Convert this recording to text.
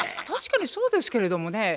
確かにそうですけれどもね。